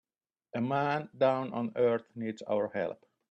A man down on earth needs our help.